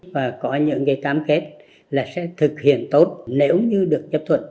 và có những cái cam kết là sẽ thực hiện tốt nếu như được chấp thuận